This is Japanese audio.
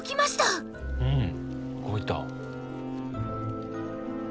うん動いた。